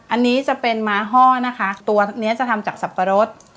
อันนี้จะเป็นม้าห้อนะคะตัวนี้จะทำจากสับปะรด